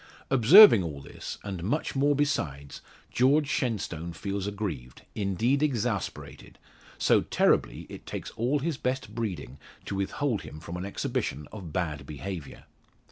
Observing all this, and much more besides, George Shenstone feels aggrieved indeed exasperated so terribly, it takes all his best breeding to withhold him from an exhibition of bad behaviour.